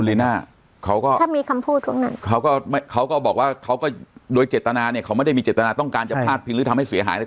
คุณลิน่าเขาก็เขาก็บอกว่าเขาก็โดยเจตนาเนี่ยเขาไม่ได้มีเจตนาต้องการจะพลาดพิษหรือทำให้เสียหายเลย